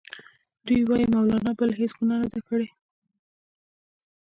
دوی وايي مولنا بله هیڅ ګناه نه ده کړې.